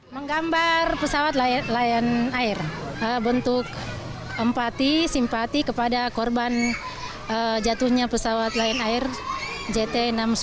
menggambar pesawat lion air bentuk empati simpati kepada korban jatuhnya pesawat lion air jt enam ratus sepuluh